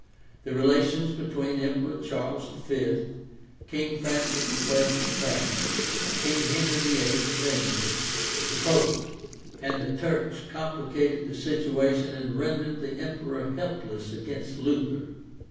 The relations between Emperor Charles V, King Francis I of France, King Henry VIII of England, the Pope, and the Turks complicated the situation and rendered the emperor helpless against Luther.